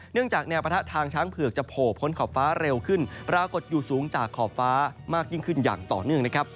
จากแนวปะทะทางช้างเผือกจะโผล่พ้นขอบฟ้าเร็วขึ้นปรากฏอยู่สูงจากขอบฟ้ามากยิ่งขึ้นอย่างต่อเนื่องนะครับ